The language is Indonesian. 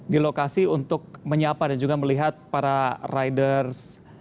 di lokasi untuk menyapa dan juga melihat para riders